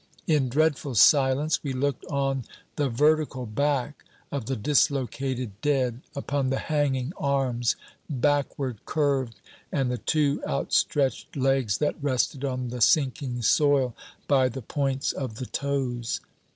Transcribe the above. In dreadful silence we looked on the vertical back of the dislocated dead, upon the hanging arms, backward curved, and the two outstretched legs that rested on the sinking soil by the points of the toes.